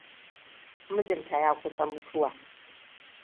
Mijinta ya kusa mutuwa.